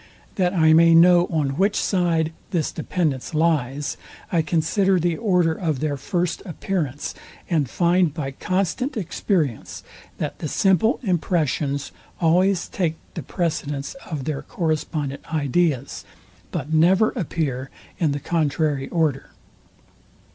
That I may know on which side this dependence lies, I consider the order of their first appearance; and find by constant experience, that the simple impressions always take the precedence of their correspondent ideas, but never appear in the contrary order.